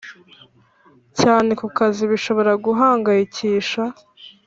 Cyane ku kazi bishobora guhangayikisha